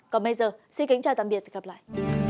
còn bây giờ xin kính chào tạm biệt và hẹn gặp lại